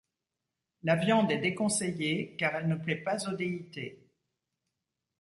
La viande est déconseillé car elle ne plait pas au déités.